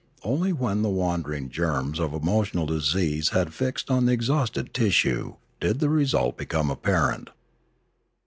Only when the wandering germs of emotional disease had fixed on the exhausted tissue did the result become apparent.